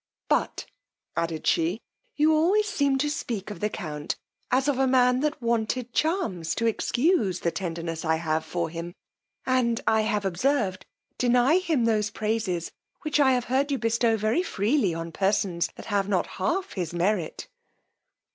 But, added she, you always seem to speak of the count, as of a man that wanted charms to excuse the tenderness I have for him; and, I have observed, deny him those praises which I have heard you bestow very freely on persons that have not half his merit.